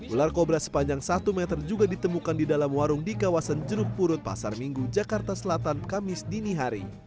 ular kobra sepanjang satu meter juga ditemukan di dalam warung di kawasan jeruk purut pasar minggu jakarta selatan kamis dini hari